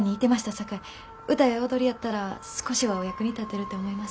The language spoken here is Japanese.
さかい歌や踊りやったら少しはお役に立てるて思います。